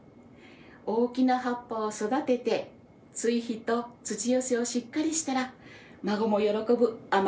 大きな葉っぱを育てて追肥と土寄せをしっかりしたら孫も喜ぶお。